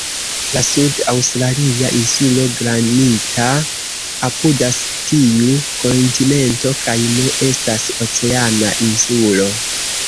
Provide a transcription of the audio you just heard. La sud-aŭstralia Insulo Granita apudas tiu kontinento kaj ne estas "oceana" insulo.